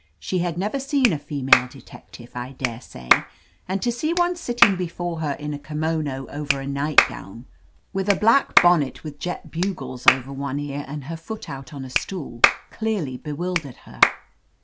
She had never seen a female detective, I daresay, and to see one sitting before her in a kimono over a nightgown, with a black bonnet with jet bu gles over one ear, and her foot out on a stool, clearly bewildered her.